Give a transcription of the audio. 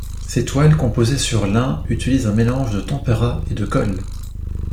Ces toiles composées sur lin utilise un mélange de tempera et de colle.